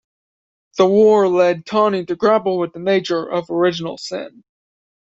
The war led Tawney to grapple with the nature of original sin.